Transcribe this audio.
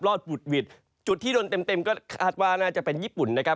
หวุดหวิดจุดที่โดนเต็มเต็มก็คาดว่าน่าจะเป็นญี่ปุ่นนะครับ